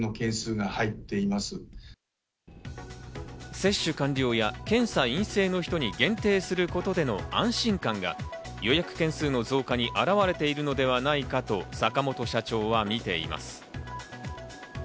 接種完了や検査陰性の人に限定することでの安心感が予約件数の増加に表れているのではないかと、坂元社長は見ています。